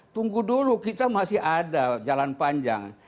tunggu dulu kita masih ada jalan panjang